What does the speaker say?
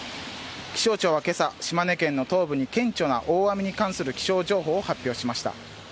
気象庁はけさ、島根県の東部に顕著な大雨に関する気象情報を発表しました。